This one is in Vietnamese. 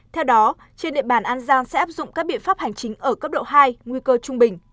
theo đó trên địa bàn an giang sẽ áp dụng các biện pháp hành chính ở cấp độ hai nguy cơ trung bình